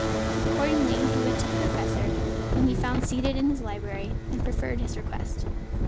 Accordingly, he went to the professor, whom he found seated in his library, and preferred his request.